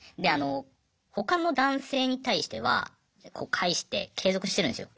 他の男性に対しては返して継続してるんですよ。